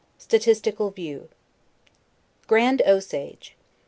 STATISTICAL VIEW. GRAND OSAGE.